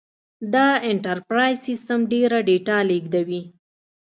دا انټرپرایز سیسټم ډېره ډیټا لېږدوي.